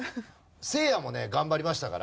せいやもね頑張りましたから。